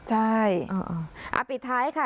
ใช่อ๋ออ้าวปิดท้ายค่ะ